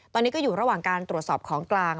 ตอนนี้ก็อยู่ระหว่างการตรวจสอบของกลาง